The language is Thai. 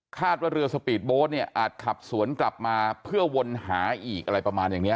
ว่าเรือสปีดโบ๊ทเนี่ยอาจขับสวนกลับมาเพื่อวนหาอีกอะไรประมาณอย่างนี้